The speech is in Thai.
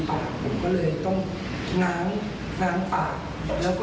แต่ก็ต้องขอบคุณแฟนคับกันเลย